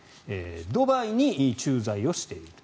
ドバイに駐在をしていると。